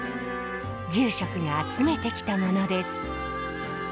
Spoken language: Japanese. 住職が集めてきたものです。